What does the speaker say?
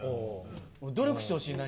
「努力してほしい」何？